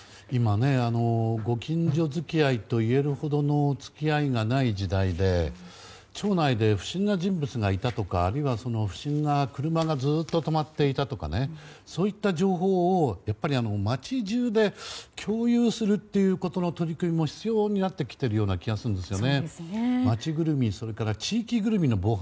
今、ご近所付き合いといえるほどのお付き合いがない時代で町内で不審な人物がいたとか車がずっと止まっていたとかそういった情報を街中で共有するということの取り組みも必要になってきてる気がするんですよね。